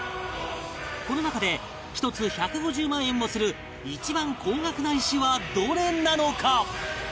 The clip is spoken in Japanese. この中で１つ１５０万円もする一番高額な石はどれなのか？